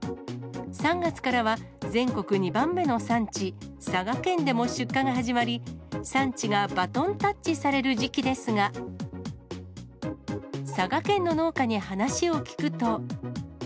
３月からは、全国２番目の産地、佐賀県でも出荷が始まり、産地がバトンタッチされる時期ですが、佐賀県の農家に話を聞くと。